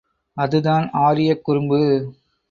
அது தான் ஆரியக் குறும்பு!